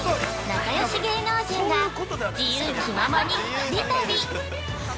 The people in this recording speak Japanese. ◆仲良し芸能人が、自由気ままに２人旅。